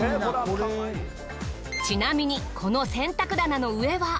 ちなみにこの洗濯棚の上は。